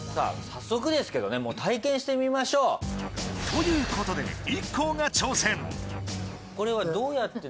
早速ですけどねもう体験してみましょうということでえっとですね